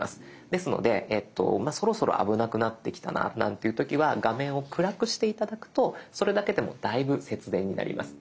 ですのでそろそろ危なくなってきたななんていう時は画面を暗くして頂くとそれだけでもだいぶ節電になります。